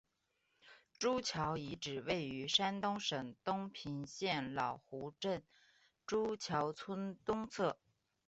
朱桥遗址位于山东省东平县老湖镇朱桥村东侧。